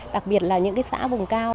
đặc biệt là những xã vùng cao